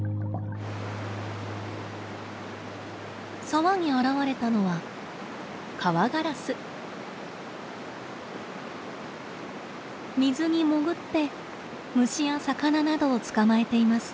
沢に現れたのは水に潜って虫や魚などを捕まえています。